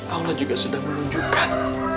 allah juga sudah menunjukkan